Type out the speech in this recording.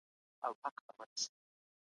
ازادي د انسان فطري حق دی.